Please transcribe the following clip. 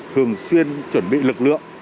thường xuyên chuẩn bị lực lượng